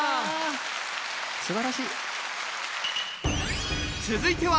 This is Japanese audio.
すばらしい。